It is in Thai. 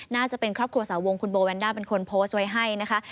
น่าจะเป็นครอบครัวสาวงคุณโบแวนด้าเป็นคนโพสต์ไว้ให้นะคะ